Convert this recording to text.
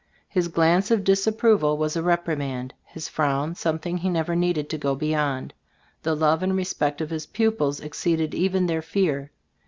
His glance of disapproval was a reprimand, his frown something he never needed to go beyond. The love and respect of his pupils exceeded even their fear.